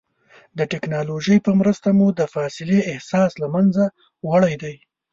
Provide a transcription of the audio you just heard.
د ټکنالوجۍ په مرسته مو د فاصلې احساس له منځه وړی دی.